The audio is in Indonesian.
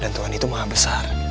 dan tuhan itu mau habis